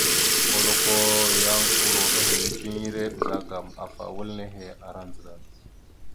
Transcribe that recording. Koləko yan uro ehelefiŋere ɓəzagaam afa wal nehe ara ndzəɗa.